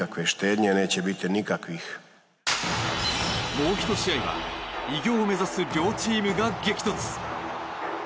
もう１試合は偉業を目指す両チームが激突。